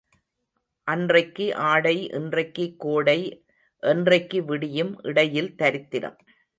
அன்றைக்கு ஆடை இன்றைக்குக் கோடை என்றைக்கு விடியும் இடையில் தரித்திரம்.